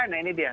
nah ini dia